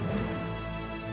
jangan lupa resmi kontinu